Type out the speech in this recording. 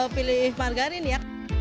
pilih margarin ya